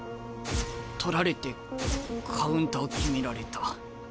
取られてカウンター決められた。